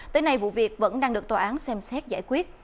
tới nay vụ việc vẫn đang được tòa án xem xét giải quyết